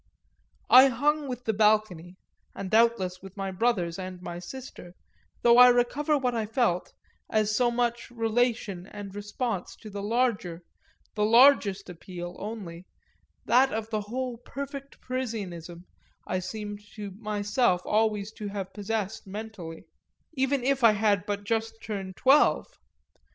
I hung with the balcony, and doubtless with my brothers and my sister, though I recover what I felt as so much relation and response to the larger, the largest appeal only, that of the whole perfect Parisianism I seemed to myself always to have possessed mentally even if I had but just turned twelve!